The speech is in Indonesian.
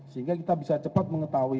sehingga kita bisa cepat mengetahui